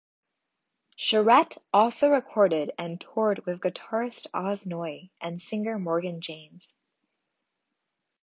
Charette also recorded and toured with guitarist Oz Noy and singer Morgan James.